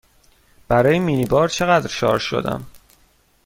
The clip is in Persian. برای مینی بار چقدر شارژ شدم؟